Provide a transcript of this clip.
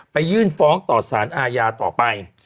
ยื่นฟ้องต่อสารอาญาต่อไป